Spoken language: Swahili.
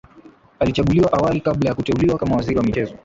Alichaguliwa awali kabla ya kuteuliwa kama Waziri wa michezo